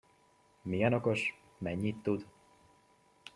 Milyen okos, mennyit tud!